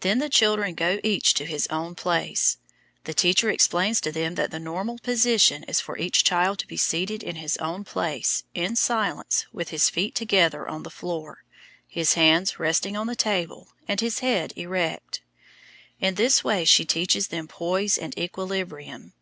Then the children go each to his own place. The teacher explains to them that the normal position is for each child to be seated in his own place, in silence, with his feet together on the floor, his hands resting on the table, and his head erect. In this way she teaches them poise and equilibrium.